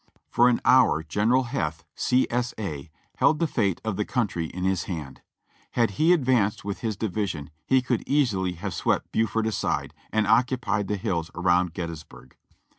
For an hour General Heth, C. S. A., held the fate of the country in his hand ; had he advanced with his division he could easily have swept Buford aside and occupied the hills around Get tysburg.